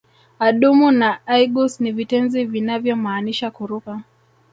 Adumu na aigus ni vitenzi vinavyomaanisha kuruka